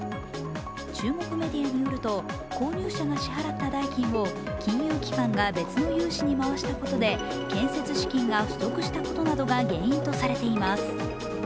中国メディアによると、購入者が支払った代金を金融機関が別の融資に回したことで建設資金が不足したことなどが原因とされています。